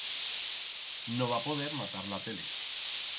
No va poder matar la tele.